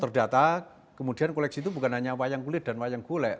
terdata kemudian koleksi itu bukan hanya wayang kulit dan wayang kulek